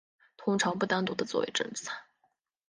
通常不单独地作为正餐。